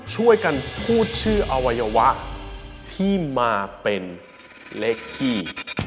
ช่วยกันพูดชื่ออวัยวะที่มาเป็นเลขที่